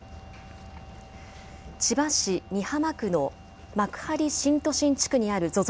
千葉市美浜区の幕張新都心地区にあるＺＯＺＯ